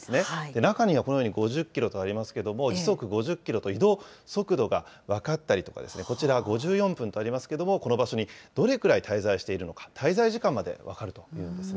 中には、このように５０キロとありますけれども、時速５０キロと移動速度が分かったりとか、こちらは５４分とありますけれども、この場所にどれくらい滞在しているのか、滞在時間まで分かるというんですね。